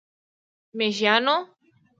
میږیانو،